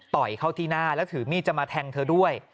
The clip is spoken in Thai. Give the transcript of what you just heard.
ต่อยเข้าที่หน้าแล้วถือมีดจะมาแทงเธอด้วย